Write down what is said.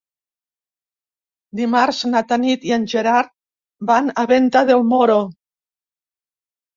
Dimarts na Tanit i en Gerard van a Venta del Moro.